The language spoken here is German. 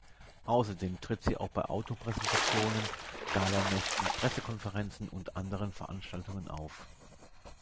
Außerdem tritt sie auch bei Auto-Präsentationen, Gala-Nächten, Pressekonferenzen und anderen Veranstaltungen auf.